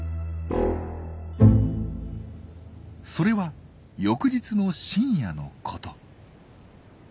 それは翌日の深夜のこと。